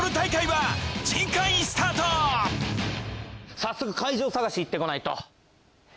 早速会場探し行ってこないと。